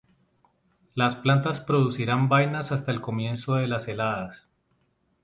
Las plantas producirán vainas hasta el comienzo de las heladas.